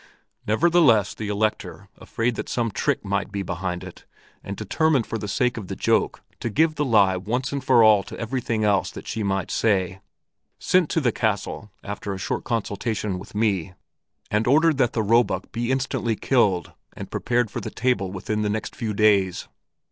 Nevertheless the Elector, afraid that some trick might be behind it and determined for the sake of the joke to give the lie once and for all to everything else that she might say, sent to the castle, after a short consultation with me, and ordered that the roebuck be instantly killed and prepared for the table within the next few days.